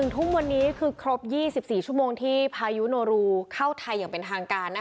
ทุ่มวันนี้คือครบ๒๔ชั่วโมงที่พายุโนรูเข้าไทยอย่างเป็นทางการ